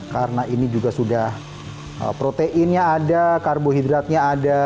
karena ini juga sudah proteinnya ada karbohidratnya ada